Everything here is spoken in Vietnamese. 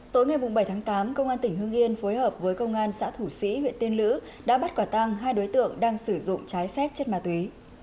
tối ngày bảy tháng tám công an tỉnh hương yên phối hợp với công an xã thủ sĩ huyện tiên lữ đã bắt quả tăng hai đối tượng đang sử dụng trái phép chất ma túy